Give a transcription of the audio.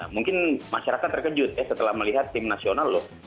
mungkin masyarakat terkejut setelah melihat timnasional loh